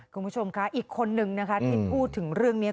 คุณผู้ชมอีกคนนึงที่พูดถึงเรื่องนี้